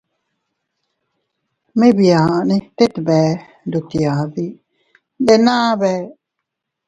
Mii biane tet bee ndutyadi, ndenna bee.